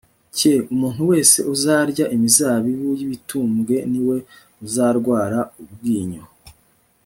cye Umuntu wese uzarya imizabibu y ibitumbwe ni we uzarwara ubwinyo